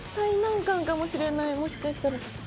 もしかしたら。